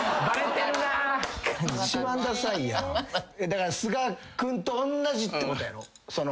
だから須賀君とおんなじってことやろ？